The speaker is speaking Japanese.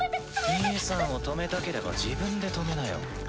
兄さんを止めたければ自分で止めなよ。